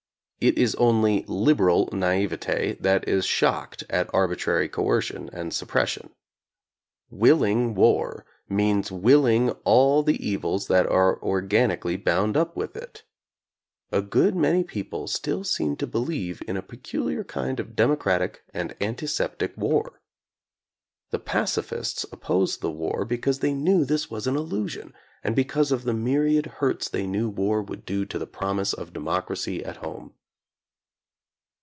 It is only "liberal" naivete that is shocked at arbitrary coercion and suppression. Willing war means willing all the evils that are organically bound up with it. A good many people still seem to believe in a pe culiar kind of democratic and antiseptic war. The pacifists opposed the war because they knew this was an illusion, and because of the myriad hurts they knew war would do the promise of de mocracy at home.